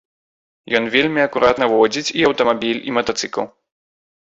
Ён вельмі акуратна водзіць і аўтамабіль, і матацыкл.